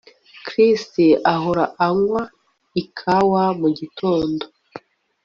Chris ahora anywa ikawa mugitondo